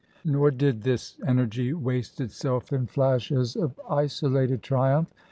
Nor did this energy waste itself in flashes of isolated triumph.